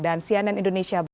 dan cnn indonesia berita terkini